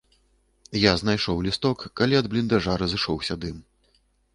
Я знайшоў лісток, калі ад бліндажа разышоўся дым.